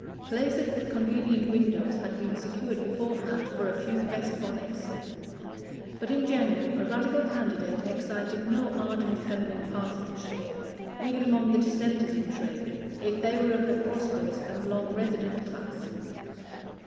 Places at convenient windows had been secured beforehand for a few best bonnets; but, in general, a Radical candidate excited no ardent feminine partisanship, even among the Dissenters in Treby, if they were of the prosperous and long resident class.